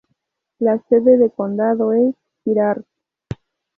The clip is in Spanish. La sede de condado es Girard.